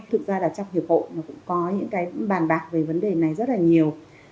thực ra là trong hiệp hội nó cũng có những cái bàn bạc về vấn đề này rất là nhiều